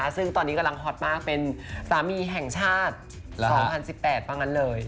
ซึ่งตอนนี้กำลังฮอตมากเป็นสามีแห่งชาติ๒๐๑๘บ้างนั้นเลย